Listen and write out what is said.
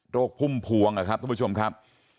โรคพุ่มภวงครับทุกผู้ชมครับ